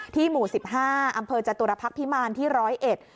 หมู่สิบห้าอำเภอจตุรพักษ์พิมารที่ร้อยเอ็ด